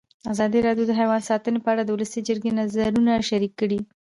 ازادي راډیو د حیوان ساتنه په اړه د ولسي جرګې نظرونه شریک کړي.